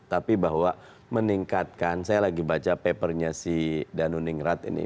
tapi bahwa meningkatkan saya lagi baca papernya si danuningrat ini